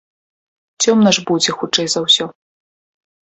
Цёмна ж будзе хутчэй за ўсё.